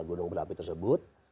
gunung berapi tersebut